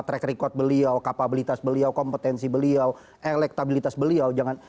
track record beliau kapabilitas beliau kompetensi beliau elektabilitas beliau